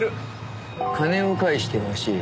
「金を返して欲しい。